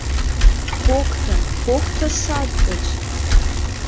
Покто, покто сад гыч!